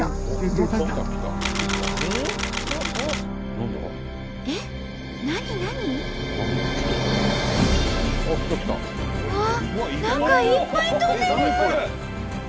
何かいっぱい飛んでる！